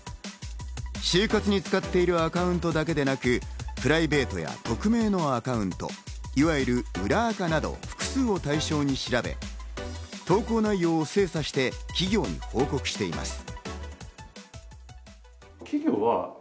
就活に使っているアカウントだけでなく、プライベートや匿名のアカウント、いわゆる裏アカなど複数を対象にして調べ、投稿内容を精査して、企業に報告しています。